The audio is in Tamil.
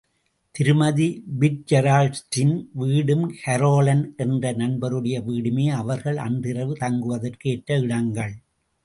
திருமதி பிட்ஜெரால்டின் வீடும், கரோலன் என்ற நண்பருடைய வீடுமே அவர்கள் அன்றிரவு தங்குவதற்கு ஏற்ற இடங்கள்.